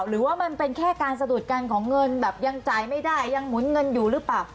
หรือว่ามันเป็นแค่การสะดุดกันของเงินแบบยังจ่ายไม่ได้ยังหมุนเงินอยู่หรือเปล่า